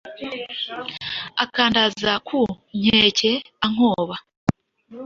akandaza ku nkeke ankoba.